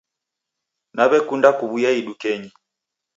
Nawe'kunda kuw'uya idukenyi.